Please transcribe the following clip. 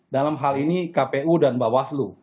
dalam hal ini kpu dan mbak waslu